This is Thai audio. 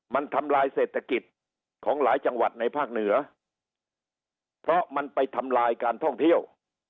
มันทำลายเศรษฐกิจของหลายจังหวัดในภาคเหนือเพราะมันไปทำลายการท่องเที่ยว